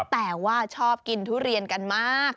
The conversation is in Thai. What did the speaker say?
แต่ว่าชอบกินทุเรียนกันมาก